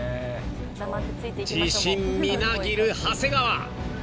［自信みなぎる長谷川］